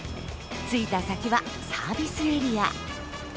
着いた先はサービスエリア。